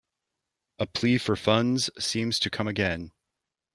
A plea for funds seems to come again.